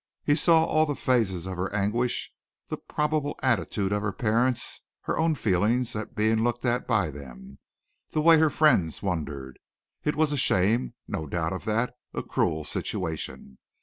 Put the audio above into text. He saw all the phases of her anguish the probable attitude of her parents, her own feelings at being looked at by them, the way her friends wondered. It was a shame, no doubt of that a cruel situation.